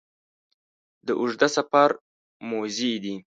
د اوږده سفر موزې دي